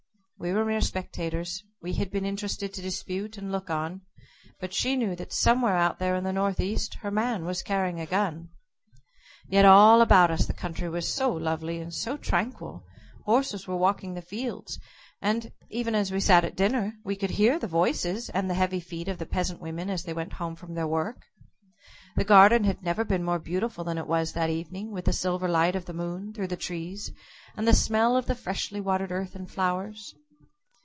We were mere spectators. We had been interested to dispute and look on. But she knew that somewhere out there in the northeast her man was carrying a gun. Yet all about us the country was so lovely and so tranquil, horses were walking the fields, and, even as we sat at dinner, we could hear the voices and the heavy feet of the peasant women as they went home from their work. The garden had never been more beautiful than it was that evening, with the silver light of the moon through the trees, and the smell of the freshly watered earth and flowers.